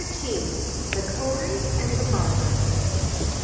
XIII. The Koeri and the Barber.